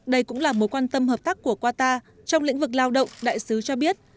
đây cũng là mối quan tâm hợp tác của qatar trong lĩnh vực lao động đại sứ cho biết